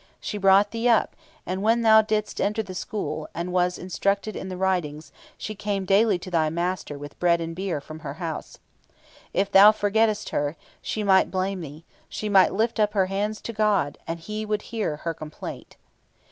She brought thee up, and when thou didst enter the school, and wast instructed in the writings, she came daily to thy master with bread and beer from her house. If thou forgettest her, she might blame thee; she might lift up her hands to God, and He would hear her complaint."